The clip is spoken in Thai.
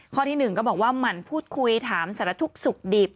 ข้อที่๑ก็บอกว่าหมั่นพูดคุยถามสารทุกข์สุขดิบ